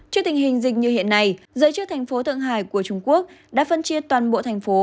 trước tình hình dịch như hiện nay giới chức thành phố thượng hải của trung quốc đã phân chia toàn bộ thành phố